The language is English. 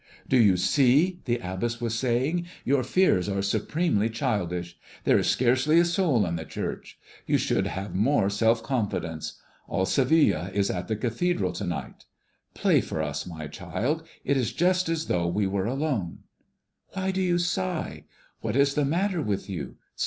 "Do you see," the abbess was saying, "your fears are supremely childish. There is scarcely a soul in the church. You should have more self confidence. All Seville is at the cathedral to night. Play for us, my child, it is just as though we were alone. Why do you sigh? What is the matter with you?